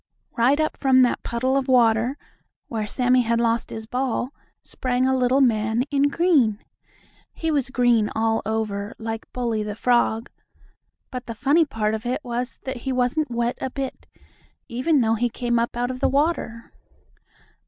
Right up from that puddle of water, where Sammie had lost his ball, sprang a little man in green. He was green all over, like Bully, the frog, but the funny part of it was that he wasn't wet a bit, even though he came up out of the water.